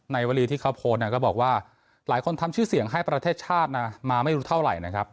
วรีที่เขาโพสต์ก็บอกว่าหลายคนทำชื่อเสียงให้ประเทศชาตินะมาไม่รู้เท่าไหร่นะครับ